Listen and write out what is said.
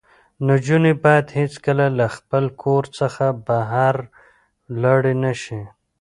نجونې باید هېڅکله له خپل کور څخه بهر لاړې نه شي.